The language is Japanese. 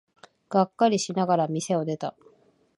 がっかりしながら店を出た。